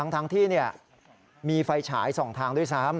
ทั้งที่นี่มีไฟฉายส่องทางด้วยซ้ำ